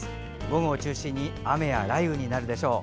午後を中心に雨や雷雨になるでしょう。